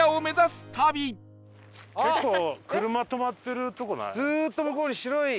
結構車止まってるとこない？